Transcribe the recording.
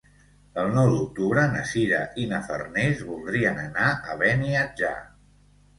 El nou d'octubre na Sira i na Farners voldrien anar a Beniatjar.